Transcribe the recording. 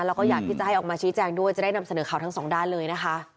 แล้วก็อยากที่จะให้ออกมาชี้แจงด้วยจะได้นำเสนอข่าวทั้งสองด้านเลยนะคะ